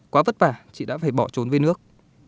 quá vất vả chị đã phải bỏ trốn về nước